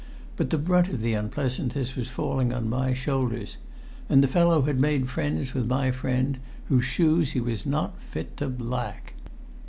But the brunt of the unpleasantness was falling on my shoulders; and the fellow had made friends with my friend, whose shoes he was not fit to black.